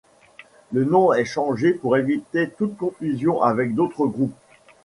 Le nom est changé pour éviter toute confusion avec d'autres groupes.